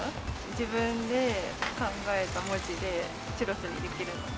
自分で考えた文字でチュロスにできるので。